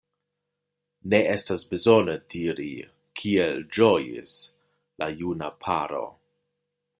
Ne estas bezone diri, kiel ĝojis la juna paro.